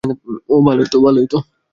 ওহ, ভালোই।